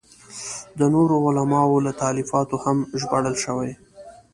د نورو علماوو له تالیفاتو هم ژباړل شوي.